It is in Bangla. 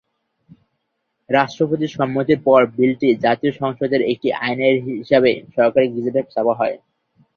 রাষ্ট্রপতির সম্মতির পর বিলটি জাতীয় সংসদের একটি আইন হিসেবে সরকারি গেজেটে ছাপা হয়।